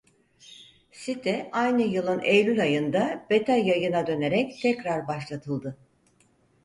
Site aynı yılın Eylül ayında beta yayına dönerek tekrar başlatıldı.